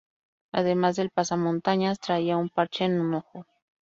Además del pasamontañas, traía un parche en un ojo.